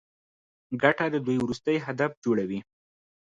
ګټه د دوی وروستی هدف جوړوي